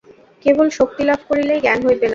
কেবল শক্তি লাভ করিলেই জ্ঞান হইবে না।